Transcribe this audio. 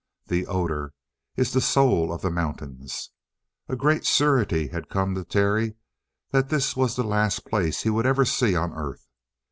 The odor is the soul of the mountains. A great surety had come to Terry that this was the last place he would ever see on earth.